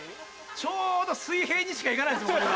ちょうど水平にしかいかないんですこれが。